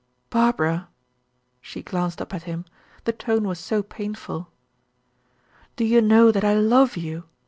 "Barbara!" She glanced up at him; the tone was so painful. "Do you know that I love you?